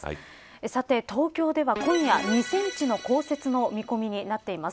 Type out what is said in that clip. さて、東京では今夜２センチの降雪の見込みになっています。